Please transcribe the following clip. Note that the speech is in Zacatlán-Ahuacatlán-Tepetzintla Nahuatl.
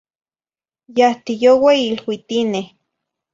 Yahtiyoue iluitineh.